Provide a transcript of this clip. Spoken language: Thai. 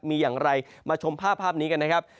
มีอย่างไรมาชมภาพนี้กันนะครับ